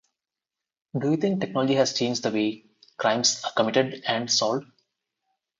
Do you think technology has changed the way crimes are committed and solved?